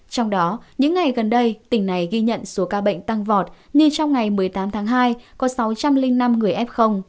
trong đó những ngày gần đây tỉnh này ghi nhận số ca bệnh tăng vọt như trong ngày một mươi tám tháng hai có sáu trăm linh năm người f